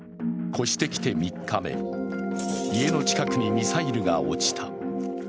越してきて３日目、家の近くにミサイルが落ちた。